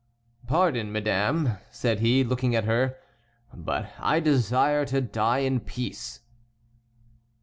"Pardon, madame," said he, looking at her, "but I desire to die in peace."